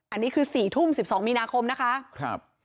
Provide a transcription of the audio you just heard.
อันนี้คือ๔ทุ่ม๑๒มีนาคมนะคะ